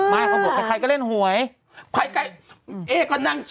มาคนบอกใครก็เล่นหวย